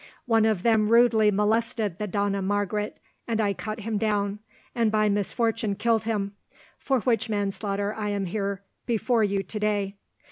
One of them rudely molested the Dona Margaret, and I cut him down, and by misfortune killed him, for which manslaughter I am here before you to day.